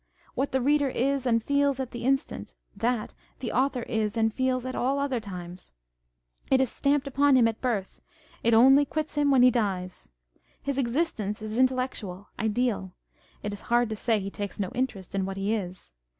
What the reader is and feels at the instant, tliat the author is and feels at all other times. It is stamped upon him at his birth ; it only quits him when he dies. His existence is intellectual, ideal : it is hard to say he takes no interest in what he is.